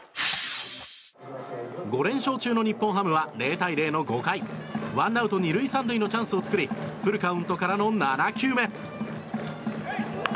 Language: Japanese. ５連勝中の日本ハムは０対０の５回ワンアウト２塁３塁のチャンスを作りフルカウントからの７球目。